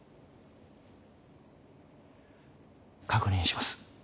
確認します。